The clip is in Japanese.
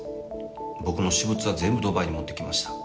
僕の私物は全部、ドバイに持ってきました。